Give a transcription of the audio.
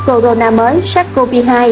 corona mới sars cov hai